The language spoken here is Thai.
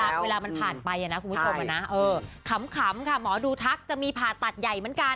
เวลามันผ่านไปนะคุณผู้ชมขำค่ะหมอดูทักจะมีผ่าตัดใหญ่เหมือนกัน